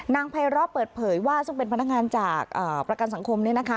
นางไพระเปิดเผยว่าซึ่งเป็นพนักงานจากประกันสังคมนี้นะคะ